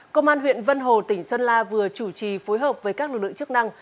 công an huyện vân hồ tỉnh sơn la vừa chủ trì phối hợp với các lực lượng chức năng